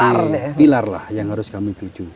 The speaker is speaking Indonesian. pertama kami mencari kesehatan yang berkualitas